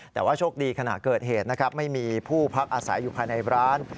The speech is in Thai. แต่ว่าโชคดีขณะเกิดเหตุนะครับไม่มีผู้พักอาศัยอยู่ภายในร้าน